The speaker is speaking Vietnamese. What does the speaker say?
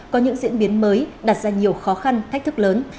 có những diễn biến mới đặt ra nhiều khó khăn thách thức lớn